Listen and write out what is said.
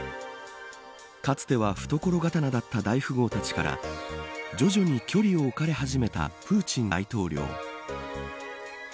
かつては懐刀だった大富豪たちから徐々に距離を置かれ始めたプーチン大統領。